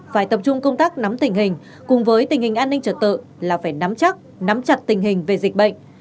phải tập trung công tác nắm tình hình cùng với tình hình an ninh trật tự là phải nắm chắc nắm chặt tình hình về dịch bệnh